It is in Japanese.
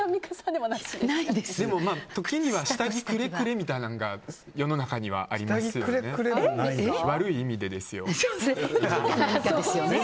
でも、時には下着くれくれみたいなのが世の中にはありますよね。